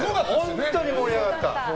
本当に盛り上がった。